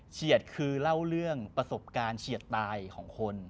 เฉียดคือเล่าเรื่องประสบการณ์เฉียดตายของคน